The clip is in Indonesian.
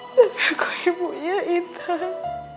tapi aku ibunya intan